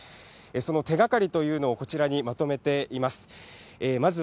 その手がかりというのをこちらにまとめています。